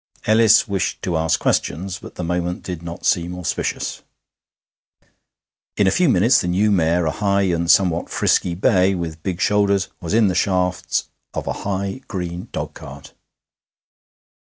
Ellis wished to ask questions, but the moment did not seem auspicious. In a few minutes the new mare, a high and somewhat frisky bay, with big shoulders, was in the shafts of a high, green dogcart.